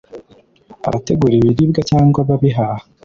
abategura ibiribwa cyangwa ababihaha